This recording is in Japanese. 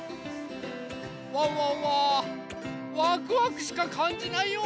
ワンワンはワクワクしかかんじないよ。